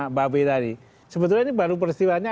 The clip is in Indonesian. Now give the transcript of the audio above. mbak b tadi sebetulnya ini baru peristiwanya